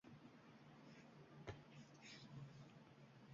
Agar meni hozir anavi kishi bilan – bobom shekilli – joʻnatib yubormaganida edi.